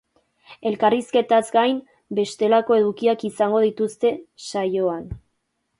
Elkarrizketaz gain, bestelako edukiak izango dituzte saioan.